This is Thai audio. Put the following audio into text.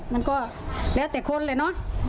มันก็แล้วแต่คนเลยเนอะ